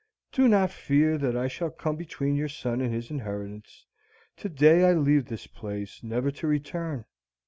"Do not fear that I shall come between your son and his inheritance. To day I leave this place, never to return.